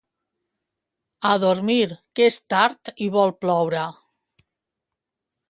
A dormir que és tard i vol ploure